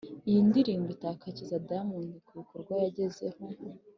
iyi ndirimbo itakagiza diamond ku bikorwa yagezeho